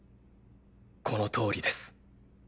このとおりです。